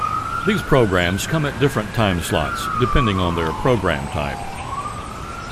These programmes come at different timeslots, depending on their programme type.